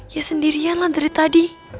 ya sendirian lah dari tadi